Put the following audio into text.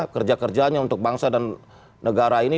kerja kerjanya untuk bangsa dan negara ini